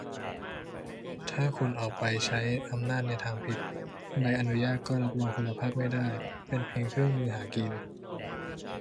ถ้าคนออกใบใช้อำนาจในทางผิด ใบอนุญาตก็รับรองคุณภาพไม่ได้ เป็นเพียงเครื่องมือหากิน